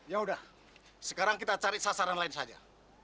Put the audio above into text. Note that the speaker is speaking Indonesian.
yaudah sekarang kita cari sasaran lain saja